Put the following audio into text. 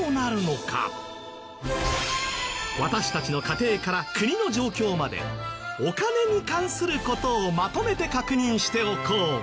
私たちの家庭から国の状況までお金に関する事をまとめて確認しておこう。